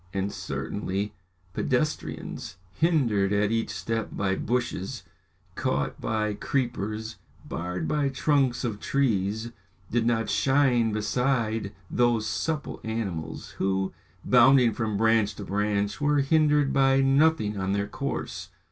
And certainly, pedestrians, hindered at each step by bushes, caught by creepers, barred by trunks of trees, did not shine beside those supple animals, who, bounding from branch to branch, were hindered by nothing on their course.